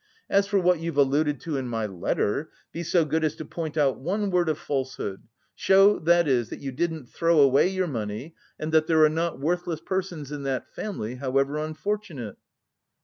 As for what you've alluded to in my letter, be so good as to point out one word of falsehood, show, that is, that you didn't throw away your money, and that there are not worthless persons in that family, however unfortunate."